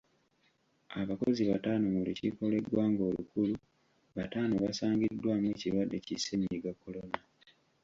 Abakozi bataano mu lukiiko lw'eggwanga olukulu bataano basangiddwamu ekirwadde ki Ssennyiga Kolona.